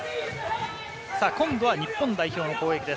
今度は日本代表の攻撃です。